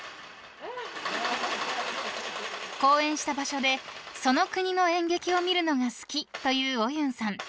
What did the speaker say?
［公演した場所でその国の演劇を見るのが好きというオユンさん］